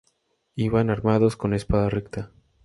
Iban armados con espada recta.